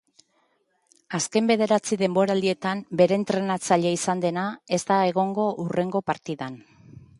Azken bederatzi denboraldietan bere entrenatzailea izan dena ez da egongo hurrengo partidan.